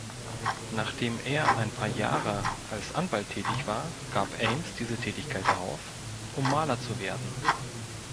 Nachdem er ein paar Jahre als Anwalt tätig war, gab Ames diese Tätigkeit auf, um Maler zu werden.